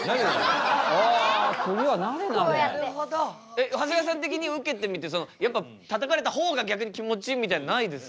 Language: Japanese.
えっ長谷川さん的に受けてみてやっぱたたかれた方が逆に気持ちいいみたいなのないですか？